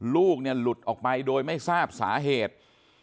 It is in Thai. ลูกหลุดออกไปโดยไม่ทราบสาเหตุ